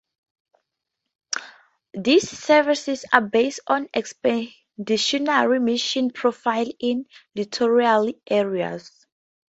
These services are based on expeditionary mission profiles in littoral areas.